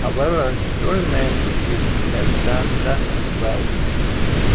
However, ‘jurymen’ would have done just as well.